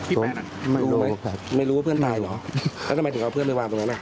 แป๊ะน่ะไม่รู้ไหมไม่รู้ว่าเพื่อนตายเหรอแล้วทำไมถึงเอาเพื่อนไปวางตรงนั้นอ่ะ